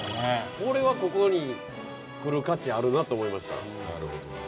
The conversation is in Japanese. これはここに来る価値あるなと思いました。